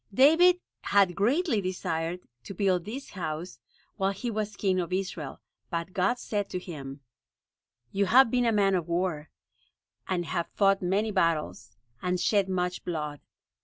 David had greatly desired to build this house while he was king of Israel, but God said to him: "You have been a man of war, and have fought many battles, and shed much blood.